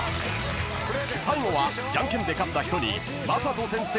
［最後はじゃんけんで勝った人に魔裟斗先生